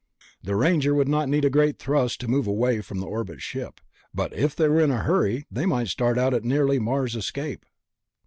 The Ranger would not need a great thrust to move away from the orbit ship ... but if they were in a hurry, they might start out at nearly Mars escape....